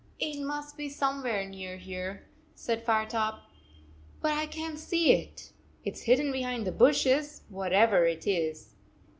" It must be somewhere near here," said Firetop, "but I can t see it. It s hidden behind the bushes, whatever it is."